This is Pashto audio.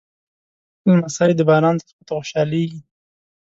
لمسی د باران څاڅکو ته خوشحالېږي.